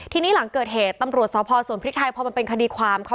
ทีนี้หลังเกิดเหตุตำรวจสพสวนพริกไทยพอมันเป็นคดีความเขา